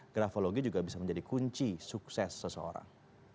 grafologi juga bisa menjadi kunci sukses seseorang